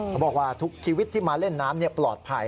บอกว่าทุกชีวิตที่มาเล่นน้ำปลอดภัย